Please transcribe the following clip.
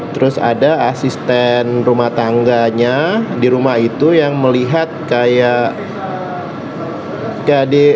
terus ada asisten rumah tangganya di rumah itu yang melihat kayak di